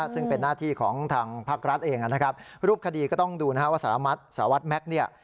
ซึ่งเป็นหน้าที่ของทางภาครัฐเองนะครับรูปคดีก็ต้องดูนะฮะว่าสารวัตรแม็กซ์เนี่ย